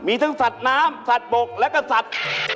มีทั้งสัตว์น้ำสัตว์บกและก็สัตว์